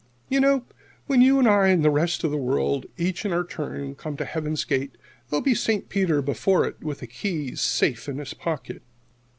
You know, when you and I and the rest of the world, each in our turn, come to Heaven's gate, there'll be St. Peter before it, with the keys safe in his pocket.